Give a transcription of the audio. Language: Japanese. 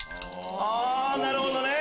あぁなるほどね！